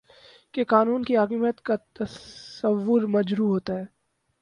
کہ قانون کی حاکمیت کا تصور مجروح ہوتا ہے